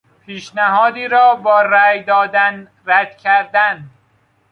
پیشنهادی را با رای دادن رد کردن